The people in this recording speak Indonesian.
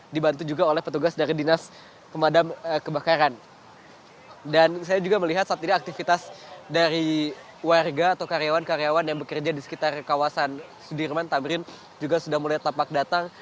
dan saya juga melihat saat ini aktivitas dari warga atau karyawan karyawan yang bekerja di sekitar kawasan sudirman tamrin juga sudah mulai tampak datang